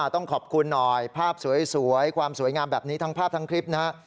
ต้องขอบคุณหน่อยภาพสวยความสวยงามแบบนี้ทั้งภาพทั้งคลิปนะฮะ